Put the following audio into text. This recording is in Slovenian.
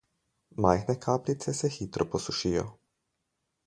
Majhne kapljice se hitro posušijo.